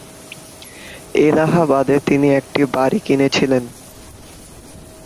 এলাহাবাদে তিনি একটি বাড়ি কিনেছিলেন।